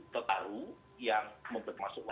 tertaruh yang mempermasukkan